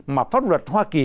mà pháp luật hoa kỳ